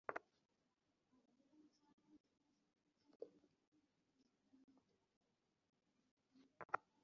আমার পরিবার বিহারে থাকে।